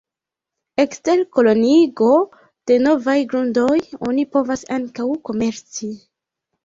Ekster koloniigo de novaj grundoj oni povas ankaŭ komerci.